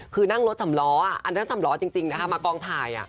คือนั่งรถสำล้ออันนั้นสำล้อจริงนะคะมากองถ่าย